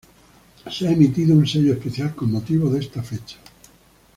Se ha emitido un sello especial con motivo de esta fecha.